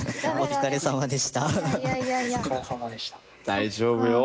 大丈夫よ。